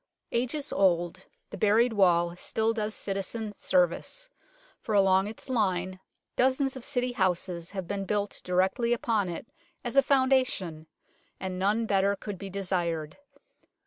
Ages old, the buried wall still does citizen service, for along its line dozens of City houses have been built directly upon it as a foundation and none better could be desired.